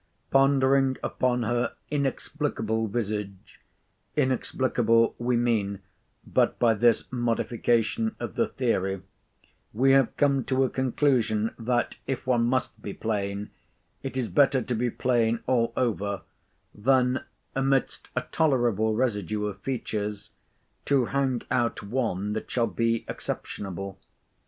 Pondering upon her inexplicable visage—inexplicable, we mean, but by this modification of the theory—we have come to a conclusion that, if one must be plain, it is better to be plain all over, than, amidst a tolerable residue of features, to hang out one that shall be exceptionable.